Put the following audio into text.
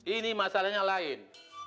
ini masalahnya lain